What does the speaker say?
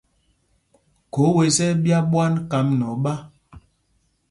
Khǒ wes ɛ́ ɛ́ ɓyá ɓwán kám nɛ oɓá.